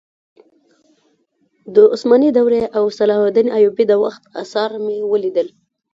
د عثماني دورې او صلاح الدین ایوبي د وخت اثار مې ولیدل.